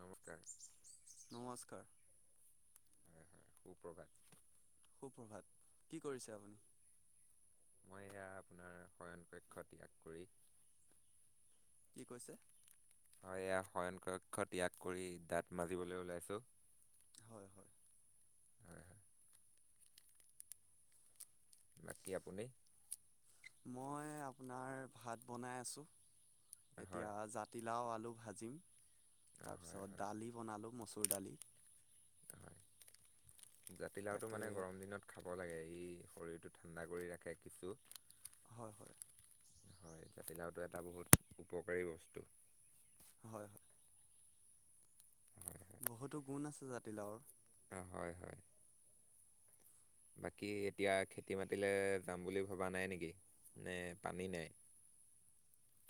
নমস্কাৰ। নমস্কাৰ। হয়, হয়। সু প্ৰভাত। সুপ্ৰভাত কি কৰিছে আপুনি। মই এয়া আপোনাৰ শয়ন কক্ষ ত্যাগ কৰি। হৈছে। হয় এয়া শয়ন কক্ষ ত্যাগ কৰি দাঁত মাজিবলৈ ওলাইছোঁ। হয়, হয়। হয় হয় বাকী আপুনি। মই আপোনাৰ ভাত বনাই আছোঁ হয় এতিয়া জাতিলাও, আলু। ভাজিত হয় তাৰপিছত হয় দালি বনালো মচুৰ দালি। জাতিলাওতটো তাকে মানে গৰম দিনত খাব লাগে। ই শৰীৰটো ঠাণ্ডা কৰি ৰাখে কিছু। হয়, হয়। হয় জাতিলাওটো এটা বহুত উপকাৰী বস্তু। হয়। হয় বহুতো গুণ আছে জাতিলাওৰ। হয়, হয়। বাকী এতিয়া খেতি মাতিলে যাম বুলি ভবা নাই নেকি? নে পানী নাই।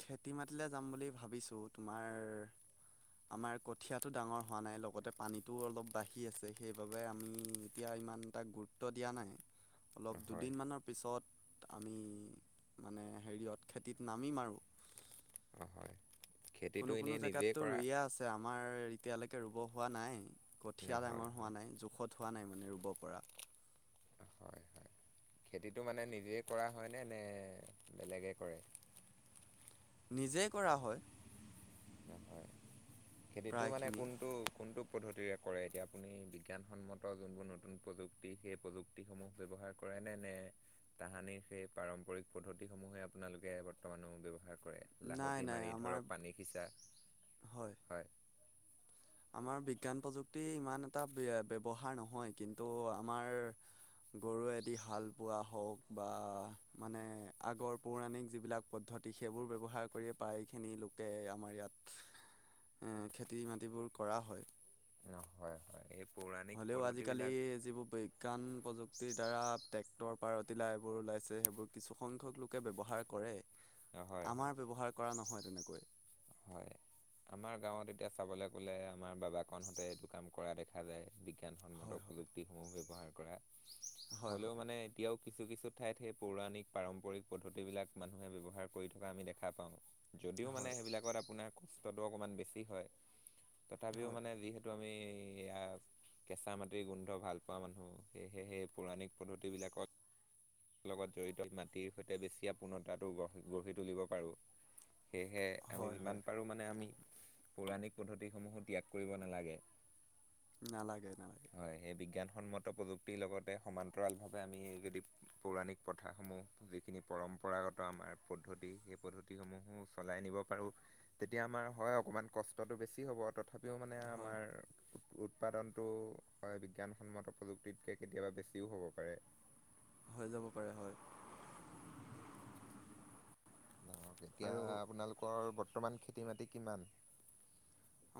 খেতি মাটিলে যাম বুলি ভাবিছোঁ তোমাৰ আমাৰ কঠীয়াটো ডাঙৰ হোৱা নাই লগতে পানীটোও অলপ বাঢ়ি আছে। সেইবাবে আমি এতিয়া। ইমান এটা গুৰুত্ব দিয়া নাই অলপ হয় দুদিনমানৰ পিছত আমি মানে হেৰিয়ত খেতিত নামি মাৰোঁ। অ হয় খেতিটো কোনো কোনো এনেই নিজেই জেগাততো কৰা ৰুইয়ে আছে। আমাৰ এতিয়ালৈকে ৰুব হোৱা নাই। হয় কঠীয়া ডাঙৰ হয় হোৱা নাই জোখত হোৱা নাই মান ৰুব পৰা। হয় হয় খেতিটো মানে নিজে কৰা হয়নে নে বেলেগে কৰে। নিজেই কৰা হয়। হয় খেতিটো মানে প্ৰায়খিনি কোনটো কোনটো। পদ্ধতিৰে কৰে। এতিয়া আপুনি বিজ্ঞানসন্মত যোনবোৰ নতুন প্ৰযুক্তি সেই প্ৰযুক্তিসমূহ ব্যৱহাৰ কৰে। তাহানি সেই পাৰম্পৰিক পদ্ধতিসমহে আপোনালোকে বৰ্তমানো ব্যৱহাৰ। পৰে নাই লাহতি নাই মাৰি আমাৰ ধৰক পানী সিচা হয়। আমাৰ বিজ্ঞান প্ৰযুক্তি ইমান এটা বীয়ে ব্যৱহাৰ নহয় কিন্তু আমাৰ গৰুৱেদি হাল বোৱা হওক বা মানে আগৰ পৌৰাণিক যিবিলাক পদ্ধত দ্ধতি সেইবোৰ ব্যৱহাৰ কৰিয়ে প্ৰায়খিনি লোকে আমাৰ ইয়াত এ খেতি মাটিবোৰ কৰা হয়। হয় হয় এই পৌৰাণিক হ'লেও আজিকালি পদ্ধতিবিলাক যিবোৰ বিজ্ঞান প্ৰযুক্তিৰ দ্বাৰা। ট্ৰেক্টৰ পাৰতিলা এইবোৰ ওলাইছে সেইবোৰ কিছুসংখ্যক লোকে ব্যৱহাৰ কৰে। হয় হয় আমাৰ ব্যৱহাৰ কৰা নহয় তেনেকৈ। হয় আমাৰ গাঁৱত এতিয়া চাবলে ক'লে আমাৰ বাবা কনহতে এইটো কাম কৰা দেক দেখা যায় বিজ্ঞানসন্মত হয় হয় প্ৰযুক্তিসমূহ ব্যৱহাৰ কৰা হয় হ'লেও হয় মানে এতিয়াও কিছু-কিছু ঠাইত সেই পৌৰাণিক পাৰম্পৰিক পদ্ধতিবিলাক মানুহে ব্যৱহাৰ কৰি থকা আমি দেখা পাওঁ। যদিও মানে হয় সেইবিলাক [unintelligible] কষ্টটো অকমান বেছি হয় তথাপিও হয় মানে যিহেতু আমি এইয়া কেঁচা মাটিৰ গোন্ধ ভাল পোৱা মানুহ, সেয়েহে পৌৰাণিক পদ্ধতিবিলাকত। লগত জড়িত মাটিৰ সৈতে বেছি আপূৰ্ণতাটো গঢ় -গঢ়ি তুলিব পাৰোঁ সেয়েহে আমি হয় হয় যিমান পাৰো মানে আমি পৌৰাণিক পদ্ধতিসমূহো ত্যাগ কৰিব নালাগে। নালাগে-নালাগে। সন্মত প্ৰযুক্তিৰ লগতে সমান্তৰালভাৱে আমি যদি পৌৰাণিক প্ৰথাসমূহ যিখিনি পৰম্পৰাগত আমাৰ পদ্ধতি সেই পদ্ধতিসমূহো চলাই। পাৰো তেতিয়া আমাৰ হয় অকমান কষ্টটো বেছি হ'ব তথাপিও মানে হয় আমাৰ উৎপাদনটো হয় বিজ্ঞানসন্মত প্ৰযুক্তিতকে কেতিয়াবা বেছিও হ'ব পাৰে। হৈ যাব পাৰে হয়। এতিয়া আৰু আপোনালোকৰ বৰ্তমান খেতি বাটি কিমান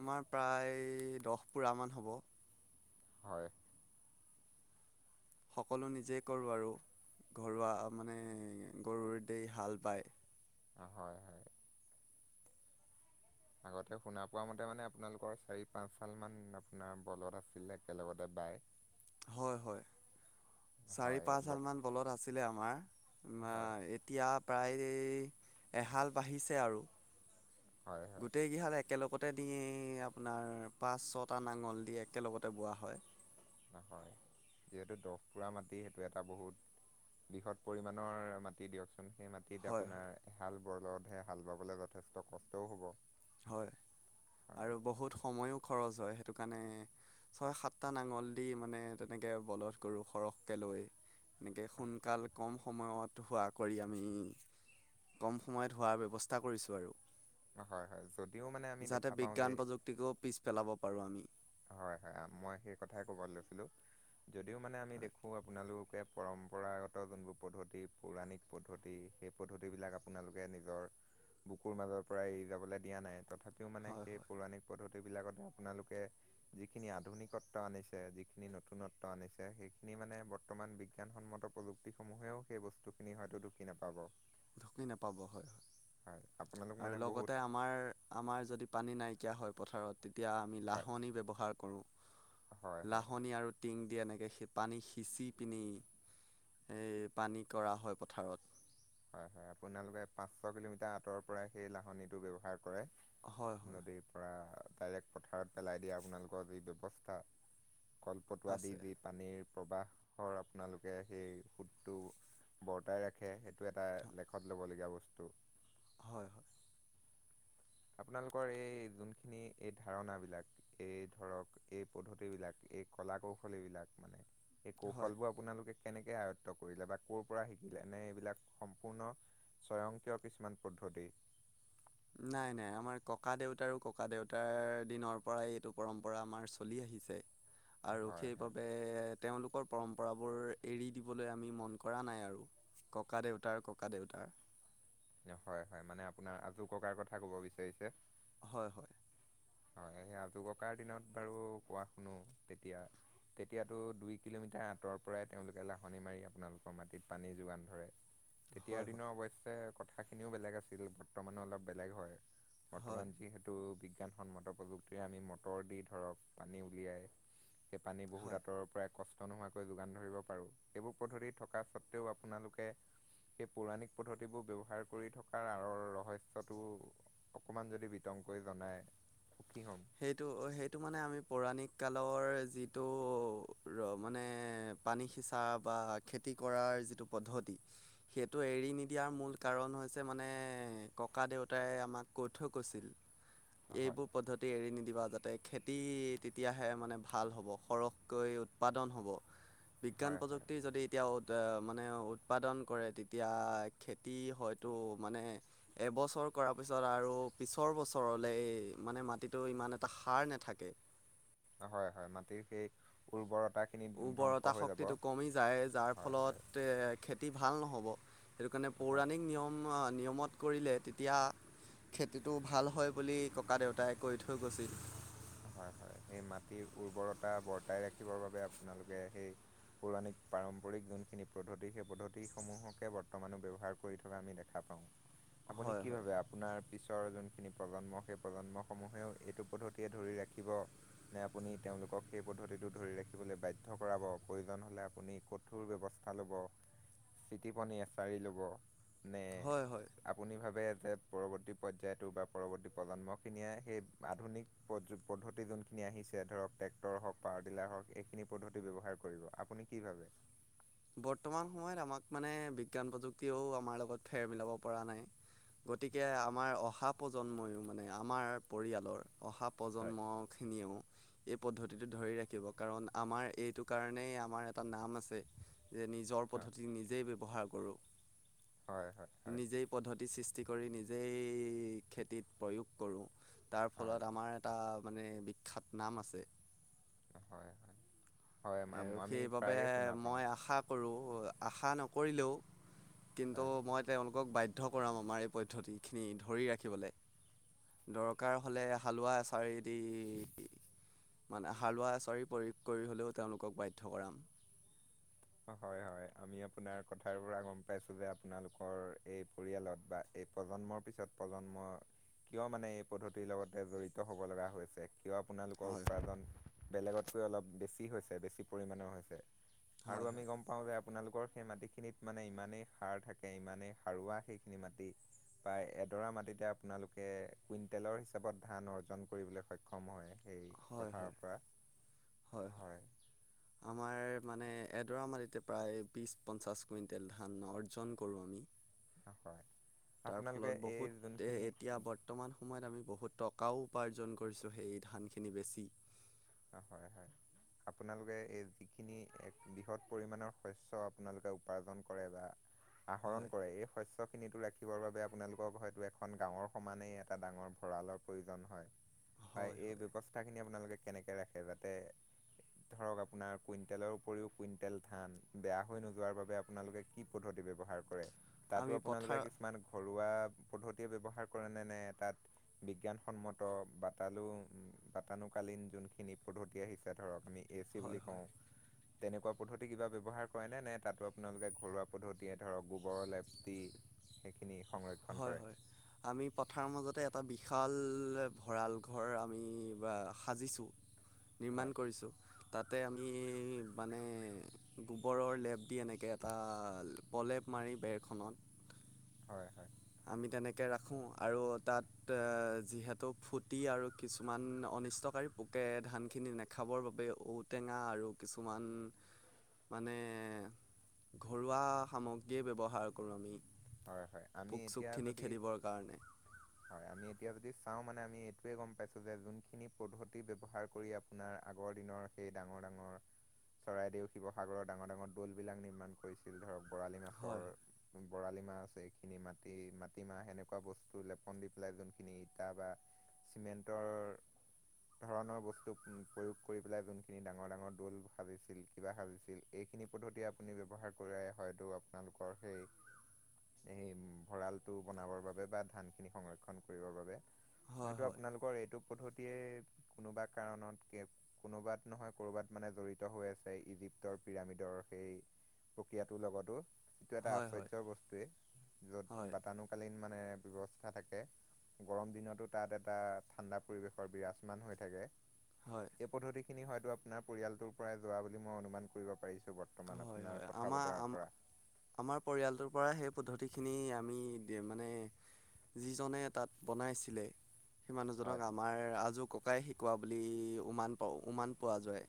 আমাৰ প্ৰায় দহ পোৰা মান হব। হয়। সকলো নিজেই কৰোঁ আৰু। ঘৰুৱা মানে গৰুৰ দ হাল বায়। হয়, হয়। আগতে শুনা পোৱা মতে মানে আপোনালোকৰ চাৰি পাঁচ চাল মান আপোনাৰ বলত আছিলে একেলগতে বাই। হয় - হয়। চাৰি হয় পাঁচ হাল ব মান বলত আছিলে আমাৰ, হয় এতিয়া প্ৰায় এহাল বাঢ়ি আৰু হয় হয় গোট একেলগত ততে দে আপোনাৰ পাঁচ ছটা নাঙল দি একেলগতে বোৱা হয়। নহয় যিহেতু দহ পুৰা মাটি সেইটো এটা বহুত বৃহৎ পৰিমণৰ মাটি দিয়কচোন। সেই মাটিত হয় হয় আপোনাৰ হাল বৰলতহে হাল বাবলে যথেষ্ট কষ্টও হব। হয়। হয় আৰু বহুত সময়ো খৰচ হয়। সেইটো কাৰণে ছয় সাতটা নাঙল দি মানে তেনেকৈ বলধ কৰোঁ সৰহকৈ লৈ এনেকে সোনকাল কম সময়ত হোৱা কৰি আমি কম সময়ত হোৱাৰ ব্যৱস্থা কৰিছোঁ আৰু। হয় হয় যদিও মানে আমি যাতে দেখা পাওঁ যে বিজ্ঞান প্ৰযুক্তিকো পিছ পেলাব পাৰোঁ আমি। হয়-হয় মই সেই কথাই ক'বাত লৈছিলো যদিও মানে আমি হয় দেখো আপোনালোকে পৰম্প পৰাগত যোনবোৰ পদ্ধতি পৌৰাণিক পদ্ধতি সেই পদ্ধতিবলাক আপোনালোকে নিজৰ বুকুৰ মাজৰ পৰা এৰি যাবলৈ দিয়া নাই তথাপিওঁ মানে হয় সেই হয় পৌৰাণিক পদ্ধতি বিলাকতে আপোনালোকে। যিখিনি আধুনিকত্ব আনিছে যিখিনি নতুনত্ব আনিছে সেইখিনি মানে বৰ্তমান বিজ্ঞান সন্মত প্ৰযুক্তিসমূহেওঁ সেই বস্তুখিনি হয়তো ঢুকি নাপাব। ঢুকি নাপাব হয়-হয় হয় আপোনালোক আৰু মানে বহুত লগতে আমাৰ - আমাৰ যদি পানী নাই নকীয়া হয় পথাৰত তেতিয়া আমি হয় লাহন ব্যৱহাৰ হয় কৰোঁ। হয় লাহনী আৰু টিং দি এনেকে শ পানী সিঁচি পিনি এই পানী কৰা হয় পথাৰত। হয়-হয় আপোনালোকে পাঁচ ছ কিলোমিটাৰ আঁতৰ পৰাই সেই লাহনিটো ব্যয়ৱহাৰ কৰে হয় হয় নদীৰ পৰা ডাইৰেক্ট পথাৰত পেলাই দিয়া আপোনালোকৰ যি ব্যৱস্থা, কলপটোৱা দি আছে যি পানীৰ প্ৰবাহৰ আপোনালোকে সেই সোঁতটো বৰ্তাই ৰাখে সেটো এটা লেখত ল'বলগীয়া বস্তু হয় হয়। আপোনালোকৰ এই যোনখিনি এই ধাৰণা বিলাক এই ধৰক এই পদ্ধতি বিলাক এই কলা-কৌশল এইবিলাক মানে। এই হয় কৌশলবোৰ আপোনালোকে কেনেকে আয়ত্ব কৰিলে বা ক'ৰ পৰা শিকিলে? এনে এইবিলাক সম্পূৰ্ণ স্বয়ংক্ৰিয় কিছুমান পদ্ধ প্ৰতি [inaudible] নাই নাই আমাৰ ককা দেউতাৰো ককা দেউতাৰ দিনৰ পৰাই এইটো পৰম্পৰা আমাৰ চলি আহি আহিছে। আৰু হয় সেইবাবে তেওঁলোকৰ পৰম্পৰাবোৰ এৰি দিবলৈ আমি মন কৰা নাই আৰু। ককাদেউতাৰ ককাদেউতাৰ। হয় হয়। মানে আপোনাৰ আজুককাৰ কথা ক'ব বিচাৰিছে। হয় হয় হয়। সেই আজুককাৰ দিনত বাৰু কোৱা শুনো তেতিয়া। তেতিয়াতো দুই কিলোমিটাৰ আঁতৰৰ পৰাই তেওঁলোকে লাহনি মাৰি আপোনালোকৰ মাটিত পানী যোগান ধৰে তেতিয়াৰ হয় হয় দিনৰ অৱশ্যে কথাখিনিও বেলেগ আছিল। বৰ্তমানো অলপ বেলেগ হয়। হয় বৰ্তমান যিহেতু বিগ [inaudible] ৰে আমি মটৰ দি ধৰক পানী উলিয়াই সেই পানী হয় বহুত আঁতৰৰ পৰাই কষ্ট নোহোৱাকৈ যোগান ধৰিব পাৰোঁ। এইবোৰ পদ্ধতি থকা স্বত্বেও আপোনালোক সেই পৌৰাণিক পদ্ধতিবোৰ ব্যৱ হাৰ কৰি থকাৰ আঁৰৰ ৰহস্যটো অকণমান যদি বিতংকৈ জনায়। সেইটো সেইটো মানে আমি পৌৰাণিক কালৰ যিটো মানে পানী সিঁচা বা খেতি কৰাৰ। যিটো পদ্ধতি সেইটো এৰি নিদিয়াৰ মূল কাৰণ হৈছে মানে ককাদেউতাই এ আমাক কৈ থৈ গৈছিল হয়। এইবোৰ পদ্ধতি এৰি নিদিবা যাতে খেতি তেতিয়াহে মানে ভাল হ'ব সৰহকৈ উৎপাদন হ'ব। বিজ্ঞান হয় হয় প্ৰযুক্তিৰ যদি এতিয়াও মানে উৎপাদন কৰে তেতিয়া খেতি হয়তো মানে এবছৰ কৰাৰ পিছত আৰু পিছৰ বছৰলে এই মানে মাটিত টো ইমান এটা সাৰ নাথাকে হয় হয়। মাটিৰ সেই উৰ্বৰ উৰ্বৰতা শক্তিটো কমি যায় যাৰ হয় হয় ফলত খেতি ভাল নহ'ব সেইটো কাৰণে হয় পৌৰাণিক নিয়ম নিয়মত কৰিলে তেতিয়া খেতিটো ভাল হয় বুলি ককাদেউতাই কৈ থৈ গৈছিল। হয় হয় সেই মাটিৰ উৰ্বৰতা বৰ্তাই ৰাখিবৰ বাবে আপোনালোকে সেই পৌৰাণিক পাৰম্পৰিক যোনখিনি পদ্ধতি, সেই পদ্ধতিসমূহকে বৰ্তমানো ব্যৱহাৰ কৰি থকা আমি দেখা পাওঁ। আপুনি হয় কি হয় ভাবে আপোনাৰ পিছৰ যোনখিনি প্ৰজন্ম সেই প্ৰজন্মসমূহেও এইটো পদ্ধতিয়ে ধৰি ৰাখিব। নে আপুনি তেওঁলোকক সেই পদ্ধতিটো ধৰি ৰাখিবলৈ বাধ্য কৰাব। প্ৰয়োজন হ'লে আপুনি কঠোৰ ব্যৱছ স্থা ল'ব। চিটিপনি-এছাৰি ল'ব নে হয় হয় আপুনি ভাৱে যে পৰৱৰ্তী পৰ্যায়টো বা পৰৱৰ্তী প্ৰজন্মখিনিয়ে সেই আধুনিক প্ৰযু পদ্ধতি যোনখিনি আহিছে ধৰক ট্ৰেক্টৰ হওঁক, পাৱাৰ টিলাৰ হওঁক এইখিনি পদ্ধতি ব্যৱহাৰ কৰিব। আপুনি কি ভাৱে? [inaudible] বৰ্তমান সময়ত আমাক মানে বিজ্ঞান প্ৰযুক্তিও আমাৰ লগত ফেৰ মিলাব পৰা নাই। গতিকে আমাৰ অহা প্ৰজন্ময়ো মানে আমাৰ পৰিয়ালৰ। অহা হয়। প্ৰজন্মখিনিয়েও এই পদ্ধতিটো ধৰি ৰাখিব কাৰণ আমাৰ এইটো কাৰণেই আমাৰ এটা নাম আছে। যে নিজৰ পদ্ধতি নিজেই ব্যৱহাৰ কৰোঁ। হয় হয় হয় নিজেই পদ্ধতি সৃষ্টি। সৃষ্টি কৰি নিজেই খেতিত প্ৰয়োগ কৰোঁ। তাৰ ফলত হয় আমাৰ এটা। মানে বিখ্যাত নাম আছে। হয় হয় হয় আৰু আমি সেইবাবে প্ৰায়ে শুনা পাওঁ মই আ আৰু আশা নকৰিলেও কিন্তু হয়। মই তেওঁলোকক বা শুদ্ধ কৰাম আমাৰ এই পদ্ধতিখিনি ধৰি ৰাখিবলৈ। দৰকাৰ হ'লে হালোৱা এচাৰিদি। মানে হালোৱা এচাৰি প্ৰয়োগ কৰি হ'লেও তেওঁলোকক বাধ্য কৰাম। হয়-হয় আমি আপোনাৰ কথাৰ পৰা গম পাইছোঁ যে আপোনালোকৰ এই পৰিয়ালত বা এই প্ৰজন্মৰ পিছত প্ৰজন্ম কিয় মানে এই পদ্ধতিৰ লগতে জড়িত হ'ব লগা হৈছে। কিয় আপোনালোকৰ হয় উপাৰ্জন বেলেগতকৈ অলপ বেছি হৈছে। বেছি পৰিমামানৰ হৈছে। আৰু হয় হয় আমি গ'ম পাওঁ যে। আপোনালোকৰ সেই মাটিখিনিত মানে ইমানেই সাৰ থাকে ইমানেই সাৰুৱা সেইখিনি মাটি বা এডৰা মাটিতে আপোনালোকে কুইণ্টেলৰ হিচাপত ধান অৰ্জন কৰিবলৈ সক্ষম হয়। সেই হয়, পথাৰৰ হয়, পৰা হয়, হয়, আমাৰ মানে। এডৰা মাটিতে প্ৰায় বিশ-পঞ্চাছ কুইণ্টেল ধান অৰ্জন কৰোঁ আমি, হয় তাৰ আপোনালোকে ফলত এই বহুতে যোনখিনি এতিয়া বৰ্তমান সময়ত আমি বহুত টকাও উপাৰ্জন কৰিছোঁ সেই ধানখিনি বেছি। হয়, হয়। আপোনালোকে এই যিখিনি বৃহৎ পৰিমানৰ শস্য আপোনালোকে উপাৰ্জন কৰে বা। আহৰণ হয় কৰে এই শস্যক খিনিতো ৰাখিবৰ বাবে আপোনালোকক হয়তো এখন গাঁৱৰ সমানেই এটা ডাঙৰ ভঁৰালৰ প্ৰয়োজন হয়। হয় এই ব্যৱস্থাখিনি আপোনালোকে কেনেকে ৰাখে যাতে। ধৰক আপোনাৰ কুইন্টেলৰ উপৰিও কুইন্টেল ধান বেয়া হৈ নোযোৱাৰ বাবে আপোনালোকে কি পদ্ধতি। ব্যৱহাৰ কৰে তাতো আমি আপোনালোকে পথাৰ কিছুমান ঘৰুৱা পদ্ধতিয়ে ব্যৱহাৰ কৰে ন নে তাত বিজ্ঞানসন্মত বাটানু বাতানুকালীন। যোনখিনি পদ্ধতি আহিছে ধৰক আমি এ চি হয় বুলি হয় কওঁ। তেনেকুৱা পদ্ধতি কিবা ব্যৱহাৰ কৰেনে। নে তাতো আপোনালোকে ঘৰুৱা পদ্ধতিয়ে ধৰক গোবৰৰ লেপটি। সেইখিনিয়ে। হয়, হয় আমি পথাৰ মাজতে এটা বিশাল। ভঁৰাল ঘৰ আমি সাজিছোঁ। নিৰ্মাণ হয় কৰিছোঁ। তাতে আমি মানে গোবৰৰ লেপ দি এনেকৈ এটা প্ৰলেপ মাৰি বেৰখনত। হয়, হয়। আমি তেনেকে ৰাখোঁ আৰু তাত যিহেতু ফূ্টি আৰু কিছুমান অনিষ্টকাৰী পোকে ধানখিনি নাখাবৰ বাবে ঔটেঙা আৰু কিছুমান। মানে ঘৰুৱা সামগ্ৰীয়ে ব্যৱহাৰ কৰোঁ আমি। হয়-হয় আমি পোক এতিয়া চোকখিনি যদি খেদিবৰ কাৰণে হয় আমি এতিয়া এতিয়া যদি চাওঁ মানে আমি এইটোৱে গম পাইছোঁ। যে যোনখিনি পদ্ধতি ব্যৱহাৰ কৰি আপোনাৰ আগৰ দিনৰ। এই ডাঙৰ-ডাঙৰ চৰাইদেউ, শিৱসাগৰৰ ডাঙৰ-ডাঙৰ দৌল বিলাক নিৰ্মাণ কৰিছিল ধৰক বৰালি মাছৰ। হয় মাহ আছে এইখিনি মাটি মাটিমাহ সেনকুৱা বস্তু লেপন দি পেলাই যোনখিনি ইটা বা। চিমেণ্টৰ ধৰণৰ বস্তু প্ৰয়োগ কৰি পেলাই যোনখিনি ডাঙৰ ডাঙৰ দল সাজিছিল কিবা সাজিছিল। সেইখিনি পদ্ধতিয় আপুনি ব্যৱহাৰ কৰে। হয়তো আপোনালোকৰ সেই [unintelligible] সেই ভঁৰালটো বনাবৰ বাবে বা ধান খিনি সংৰক্ষণ কৰিবৰ বাবে। হয় হয়তটো হয় আপোনালোকৰ এইটো পদ্ধতি। [unintelligible] কোনোবা কাৰণত কেব কোনোবাত নহয় ক'ৰবাত মানে জড়িত হৈ আছে ইজিপ্তৰ পিৰামিডৰ সেই [inaudible] প্ৰক্ৰিয়াটোৰ লগতো, এইটো এটা হয় হয় আশ্চৰ্যৰ বস্তুয়েই, য'ত হয় বাটানুকালীন মানে ব্যৱস্থা থাকে, গৰম দিনতো তাত এটা ঠাণ্ডা পৰিৱেশৰ বিৰাজমান হৈ থাকে। হয় হয় এই পদ্ধতি খিনি হয়তো আপোনাৰ পৰিয়ালটোৰ পৰাই যোৱা বুলি মই অনুমান কৰিব পাৰিছো বৰ্তমান হয় আপোনাৰ হয় আমাৰ কথা-বতৰাৰ আম- পৰা। আমাৰ পৰিয়ালটোৰ পৰা সেই পদ্ধতিখিনি আমি দে মানে যিজনে তাত বনাইছিলে। সেই মানুহজনক হয় আমাৰ আজৌ ককাই শিকোৱা বুলি উমান পাও উমান পোৱা যায়।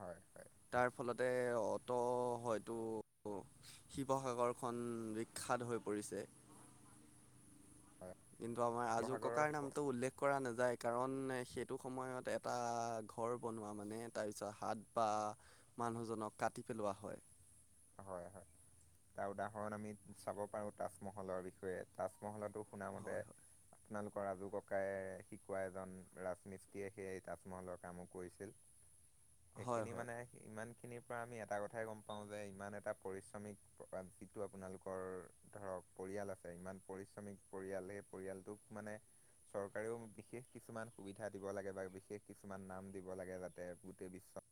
হয় হয় তাৰ ফলতে অটো অ', হয়তো শিৱসাগৰখন বিখ্যাত হৈ পৰিছে। হয় কিন্তু আমাৰ আজো শিৱসাগৰৰ ককাইৰ নামটো উল্লেখ কৰা নাযায় কাৰণ সেইটো সময়ত এটা ঘৰ বনোৱা মানে তাৰপিছত হাত বা মানুহজনক কা কাটি পেলোৱা হয়। হয় হয় তাৰ উদাহৰণ আমি চাব পাৰো তাজমহলৰ বিষয়ে তাজমহলতো শুনা মতে হয় হয় আপোনালোকৰ ৰাজু ককাইে শিকোৱা এজন ৰাজমিস্ত্ৰিয়ীয়ে সেই তাজমহলৰ কামো কৰিছিল। হয় সেইখিনি হয় মানে ইমান খিনিৰ পৰা আমি এটা কথাই গম পাও যে ইমান এটা পৰিশ্ৰমিক প্ৰকান্তিটো আপোনালোকৰ ধৰক পৰিয়াল আছে ইমান পৰিশ্ৰমিক পৰিয়াল সেই পৰিয়ালটোক মানে। চৰকাৰেও বিশেষ কিছুমান সুবিধা দিব লাগে বা বিশেষ কিছুমান নাম দিব লাগে যাতে গোটেই বিশ্ব